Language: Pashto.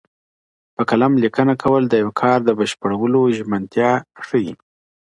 په قلم لیکنه کول د یو کار د بشپړولو ژمنتیا ښیي.